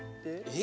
え！？